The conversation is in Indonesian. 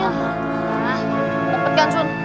nah lepetkan asun